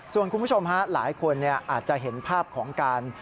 ส่วนคุณผู้ชมฮะหลายคนอาจจะเห็นภาพของการ